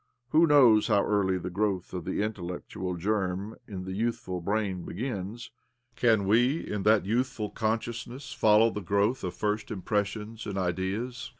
Who knows how early the growth of the intellectual germ in the youthful brain begins? Can we, in that youthful con sciousness, follow the growth of first impres sions and ideas?